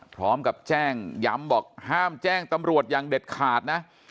พร้อมกับแจ้งย้ำบอกห้ามแจ้งตำรวจอย่างเด็ดขาดนะ